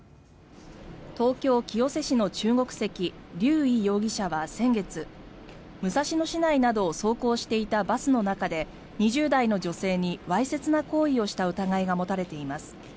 東京・清瀬市の中国籍リュウ・イ容疑者は先月武蔵野市内などを走行していたバスの中で２０代の女性にわいせつな行為をした疑いが持たれています。